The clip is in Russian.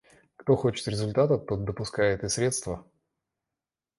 Кто хочет результата, тот допускает и средства.